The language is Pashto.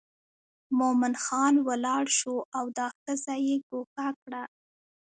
مومن خان ولاړ شو او دا ښځه یې ګوښه کړه.